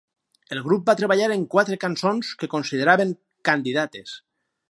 El grup va treballar en quatre cançons que consideraven candidates.